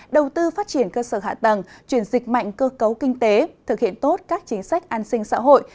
đầu tư phát triển cơ sở hạ tầng chuyển dịch mạnh cơ cấu kinh tế thực hiện tốt các chính sách an sinh xã hội